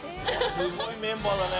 すごいメンバーだね。